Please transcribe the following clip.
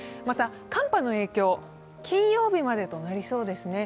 また、寒波の影響、金曜日までとなりそうです。